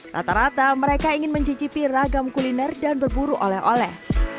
rata rata mereka ingin mencicipi ragam kuliner dan berburu oleh oleh